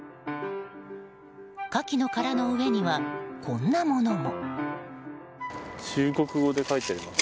カキの殻の上にはこんなものも。